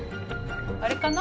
あれかな？